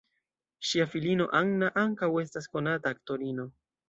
Ŝia filino Anna ankaŭ estas konata aktorino.